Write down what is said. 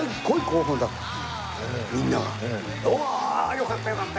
よかったよかった。